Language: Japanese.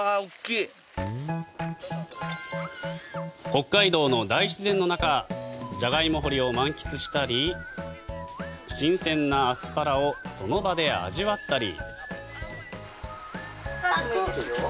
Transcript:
北海道の大自然の中ジャガイモ掘りを満喫したり新鮮なアスパラをその場で味わったり。